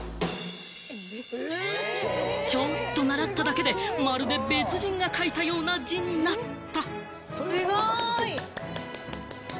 ちょっと習っただけでまるで別人が書いたような字になった。